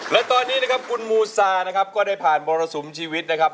และตอนนี้นะครับคุณมูซานะครับก็ได้ผ่านมรสุมชีวิตนะครับ